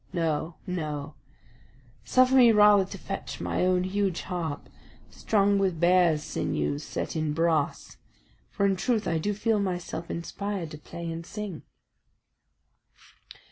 No, no; suffer me rather to fetch my own huge harp, strung with bears' sinews set in brass, for in truth I do feel myself inspired to play and sing."